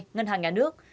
ngân hàng nhà nước